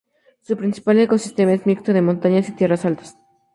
Su principal ecosistema es mixto de montañas y tierras altas.